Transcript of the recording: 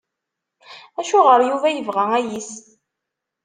Acuɣer Yuba yebɣa ayis?